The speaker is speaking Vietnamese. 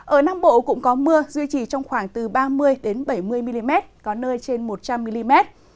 ở nam bộ cũng có mưa duy trì trong khoảng từ ba mươi bảy mươi mm có nơi trên một trăm linh mm